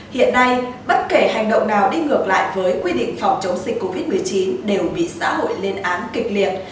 hiện nay bất kể hành động nào đi ngược lại với quy định phòng chống dịch covid một mươi chín đều bị xã hội lên án kịch liệt